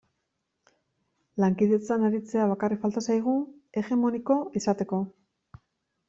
Lankidetzan aritzea bakarrik falta zaigu hegemoniko izateko.